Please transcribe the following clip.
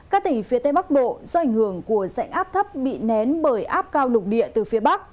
các tỉnh phía tây bắc bộ do ảnh hưởng của dạnh áp thấp bị nén bởi áp cao lục địa từ phía bắc